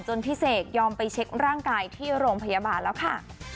พี่เสกยอมไปเช็คร่างกายที่โรงพยาบาลแล้วค่ะ